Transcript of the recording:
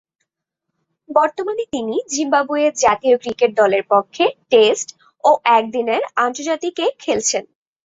বর্তমানে তিনি জিম্বাবুয়ে জাতীয় ক্রিকেট দলের পক্ষে টেস্ট ও একদিনের আন্তর্জাতিকে খেলছেন।